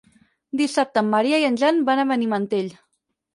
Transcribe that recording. Dissabte en Maria i en Jan van a Benimantell.